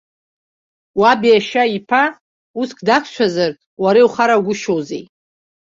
Уаб иашьа иԥа уск дақәшәазар, уара иухарагәышьоузеи.